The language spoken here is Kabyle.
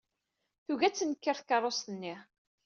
Tugi ad tenker tkeṛṛust-nni.